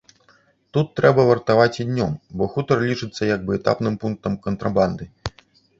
Тут трэба вартаваць і днём, бо хутар лічыцца як бы этапным пунктам кантрабанды.